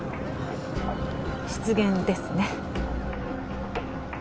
失言ですね。